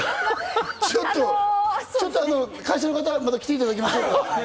ちょっと会社の方、来ていただきましょうか。